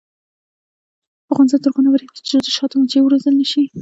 افغانستان تر هغو نه ابادیږي، ترڅو د شاتو مچۍ وروزل نشي.